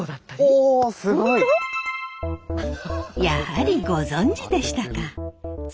やはりご存じでしたか。